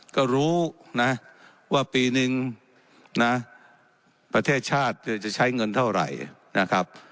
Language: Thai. ก็รู้นะว่าปีนึงนะประเทศชาติจะใช้เงินเท่าไหร่นะครับ